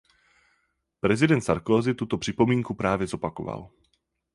Prezident Sarkozy tuto připomínku právě zopakoval.